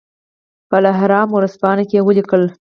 په الاهرام ورځپاڼه کې ولیکل.